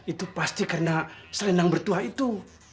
itu pasti karena selendang bertuah itu